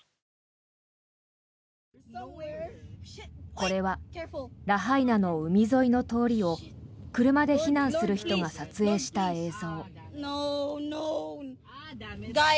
これはラハイナの海沿いの通りを車で避難する人が撮影した映像。